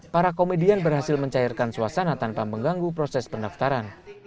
para komedian berhasil mencairkan suasana tanpa mengganggu proses pendaftaran